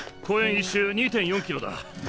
１周２．４キロだ。